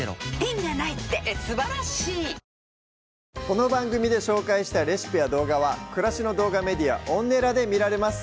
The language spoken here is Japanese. この番組で紹介したレシピや動画は暮らしの動画メディアＯｎｎｅｌａで見られます